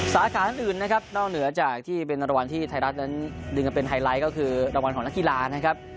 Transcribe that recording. สาขาอื่นนะครับนอกเหนือจากที่เป็นรางวัลที่ไทยรัฐนั้นดึงกันเป็นไฮไลท์ก็คือรางวัลของนักกีฬานะครับ